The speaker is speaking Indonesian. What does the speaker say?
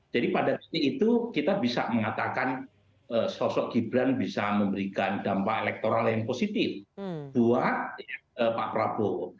jadi pada titik itu kita bisa mengatakan sosok gibran bisa memberikan dampak elektoral yang positif buat pak prabowo